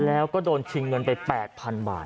แล้วก็โดนชิงเงินไป๘๐๐๐บาท